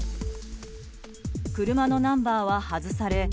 車のナンバーは外され。